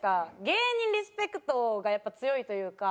芸人リスペクトがやっぱ強いというか。